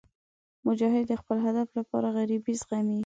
مجاهد د خپل هدف لپاره غریبۍ زغمي.